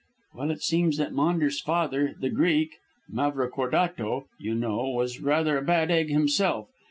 "Well, it seems that Maunders' father, the Greek, Mavrocordato, you know, was rather a bad egg himself.